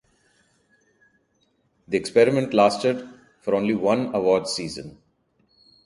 The experiment lasted for only one awards season.